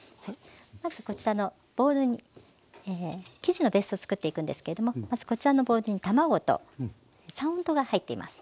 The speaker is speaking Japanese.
まずこちらのボウルに生地のベースを作っていくんですけどもこちらのボウルに卵と三温糖が入っています。